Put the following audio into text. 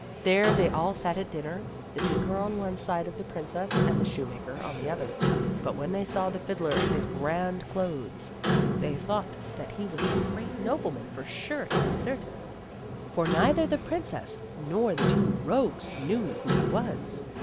There they all sat at dinner, the tinker on one side of the princess and the shoemaker on the other. But when they saw the fiddler in his grand clothes, they thought that he was some great nobleman for sure and certain, for neither the princess nor the two rogues knew who he was.